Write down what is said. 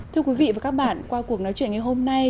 thưa quý vị và các bạn qua cuộc nói chuyện ngày hôm nay